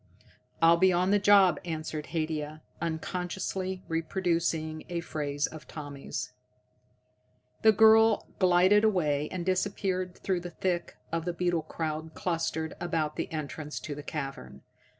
"I'll be on the job," answered Haidia, unconsciously reproducing a phrase of Tommy's. The girl glided away, and disappeared through the thick of the beetle crowd clustered about the entrance to the cavern.